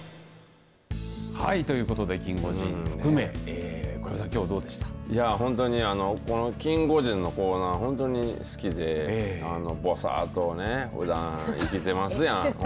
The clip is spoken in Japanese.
はい、ということでキンゴジンを含め本当にキンゴジンのコーナーは本当に好きでぼさっとふだん生きてますやん。